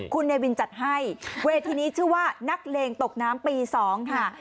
คุณเนวินจัดให้เวทีนี้ชื่อว่านักเลงตกน้ำปี๒ค่ะ